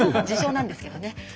自称なんですけどね。